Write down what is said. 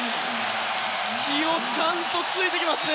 隙をちゃんと突いてきますね。